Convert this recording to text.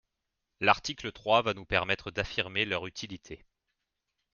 L’article trois va nous permettre d’affirmer leur utilité.